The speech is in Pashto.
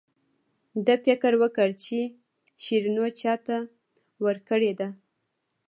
ده فکر وکړ چې شیرینو چاته ورکړې ده.